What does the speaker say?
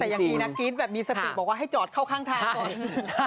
แต่ยังดีนะกรี๊ดแบบมีสติบอกว่าให้จอดเข้าข้างทางก่อน